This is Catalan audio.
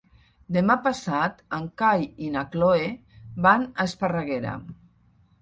Demà passat en Cai i na Cloè van a Esparreguera.